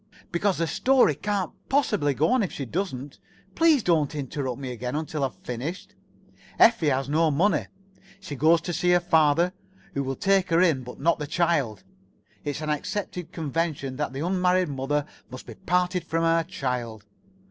"Because the story can't possibly go on if she doesn't. Please don't interrupt me again until I've finished. Effie has no money. She goes to see her father, who will take her in, but not the child. It's an accepted convention that the unmarried mother must be parted from her child.